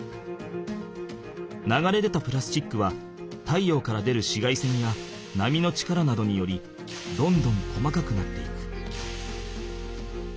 流れ出たプラスチックは太陽から出る紫外線や波の力などによりどんどん細かくなっていく。